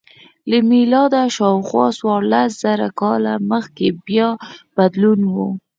له میلاده شاوخوا څوارلس زره کاله مخکې بیا بدلون و